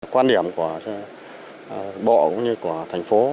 quan điểm của bộ cũng như của thành phố